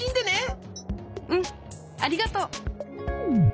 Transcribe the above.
うんありがとう！